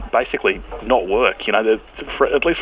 bilik tandas dan kaki